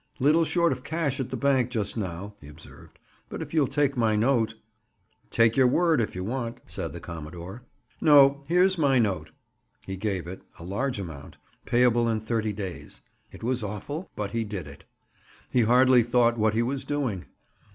"Little short of cash at the bank just now," he observed. "But if you'll take my note—" "Take your word if you want," said the commodore. "No; here's my note." He gave it—a large amount—payable in thirty days. It was awful, but he did it. He hardly thought what he was doing.